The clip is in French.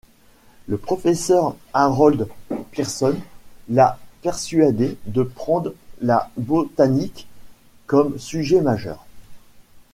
Le professeur Harold Pearson l'a persuadée de prendre la botanique comme sujet majeur.